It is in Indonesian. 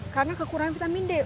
karena kekurangan vitamin d